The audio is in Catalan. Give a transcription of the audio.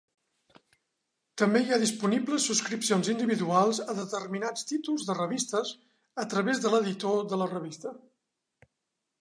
També hi ha disponibles subscripcions individuals a determinats títols de revistes a través de l'editor de la revista.